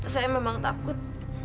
saya memang takut